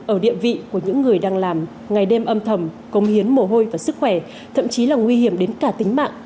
ở địa vị của những người đang làm ngày đêm âm thầm cống hiến mồ hôi và sức khỏe thậm chí là nguy hiểm đến cả tính mạng